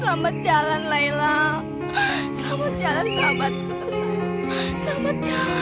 selamat jalan layla selamat jalan sahabatku selamat jalan